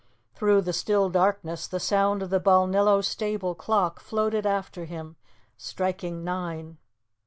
Through the still darkness the sound of the Balnillo stable clock floated after him, striking nine.